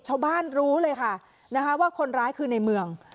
รู้เลยค่ะว่าคนร้ายคือในเมือง